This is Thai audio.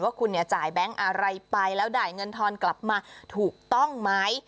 ว่าคุณเนี่ยจ่ายแบงค์อะไรไปแล้วได้เงินทอนกลับมาถูกต้องไหม